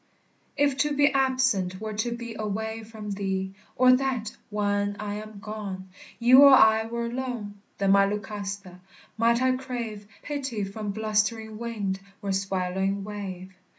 If to be absent were to be Away from thee; Or that, when I am gone, You or I were alone; Then, my Lucasta, might I crave Pity from blustering wind or swallowing wave.